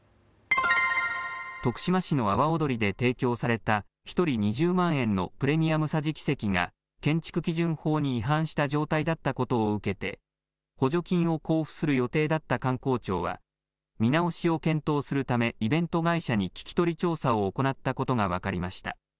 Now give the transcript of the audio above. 徳島市の阿波おどりで提供された１人２０万円のプレミアム桟敷席が建築基準法に違反した状態だったことを受けて補助金を交付する予定だった観光庁は見直しを検討するためイベント会社に聞き取り調査を行ったことが分かりました。